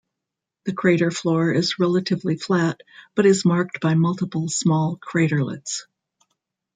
The crater floor is relatively flat, but is marked by multiple small craterlets.